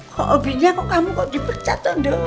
kok obinya kamu kok dipecat tondo